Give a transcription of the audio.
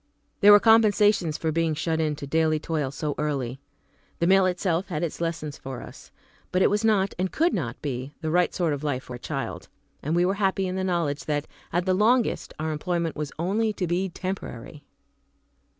There were compensations for being shut in to daily toil so early. The mill itself had its lessons for us. But it was not, and could not be, the right sort of life for a child, and we were happy in the knowledge that, at the longest, our employment was only to be temporary.